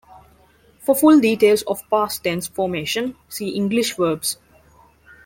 For full details of past tense formation, see English verbs.